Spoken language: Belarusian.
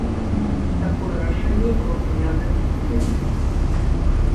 Такое рашэнне было прынятае ў чацвер.